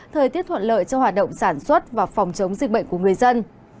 thời tiết thuận lợi cho hoạt động sản xuất và phòng chống dịch bệnh của người dân